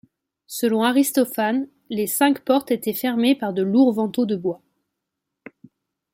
Selon Aristophane, les cinq portes étaient fermées par de lourds vantaux de bois.